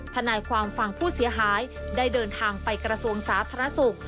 ทนายความฝั่งผู้เสียหายได้เดินทางไปกระทรวงสาธารณสุข